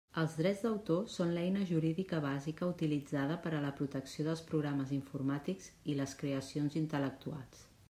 Els drets d'autor són l'eina jurídica bàsica utilitzada per a la protecció dels programes informàtics i les creacions intel·lectuals.